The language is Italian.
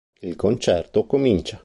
Il concerto comincia.